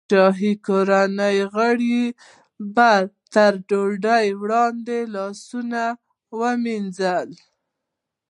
د شاهي کورنۍ غړیو به تر ډوډۍ وړاندې لاسونه وینځل.